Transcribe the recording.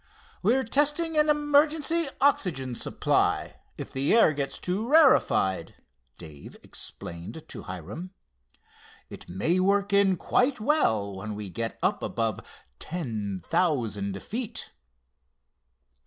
"We're testing an emergency oxygen supply, if the air gets too rarefied," Dave explained to Hiram. "It may work in quite well when we get up above ten thousand feet."